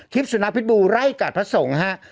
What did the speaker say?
สุนัขพิษบูไล่กัดพระสงฆ์ฮะ